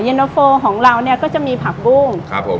เย็นเตอร์โฟล์ของเราก็จะมีผักบุ้ง